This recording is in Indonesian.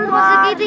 bener pak sri kiti